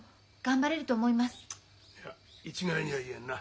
いや一概には言えんな。